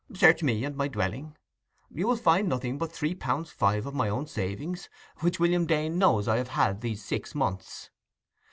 Search me and my dwelling; you will find nothing but three pound five of my own savings, which William Dane knows I have had these six months."